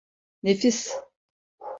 Nefis.